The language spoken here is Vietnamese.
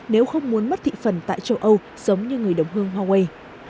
nếu không muốn mất thị phần tại châu âu giống như người đồng hương huawei